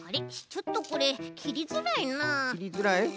ちょっとこれきりづらいなあ。